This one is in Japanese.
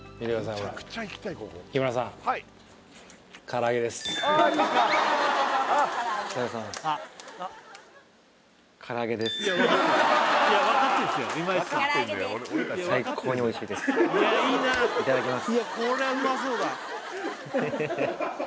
ほらいただきます